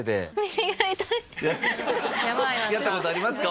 耳が痛いやったことありますか？